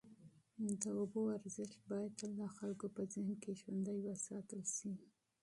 د اوبو ارزښت باید تل د خلکو په ذهن کي ژوندی وساتل سي.